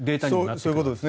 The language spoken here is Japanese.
そういうことですね。